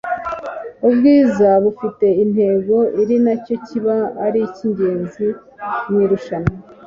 ubwiza bufite intego ari nacyo kiba ari icy'ingenzi mu irushanwa